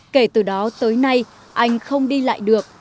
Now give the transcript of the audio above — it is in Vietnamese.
kể từ đó tới nay anh không đi lại được